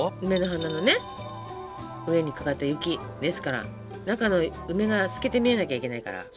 梅の花のね上にかかった雪ですから中の梅が透けて見えなきゃいけないから。